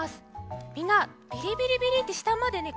みんなビリビリビリってしたまでね